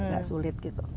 gak sulit gitu